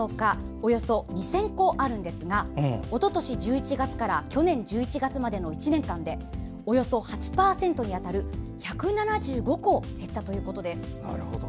およそ２０００戸あるんですがおととし１１月から去年１１月までの１年間でおよそ８％に当たる１７５戸減ったということです。